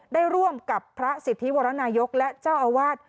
ได้ร่วมกับพระสิทธิวรนายกและเจ้าอาวาส